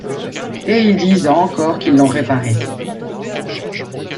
Et ils disent encore qu’ils l’ont réparé!